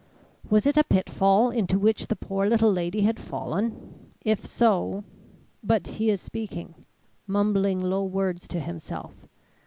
Was it a pitfall into which the poor little lady had fallen? If so But he is speaking mumbling low words to himself.